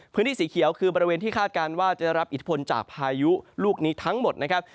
พื้นที่สีเขียวคือบริเวณที่คาดการณ์ว่าจะรับอิทธิพลจากพายุลูกนี้ทั้งหมดนะครับ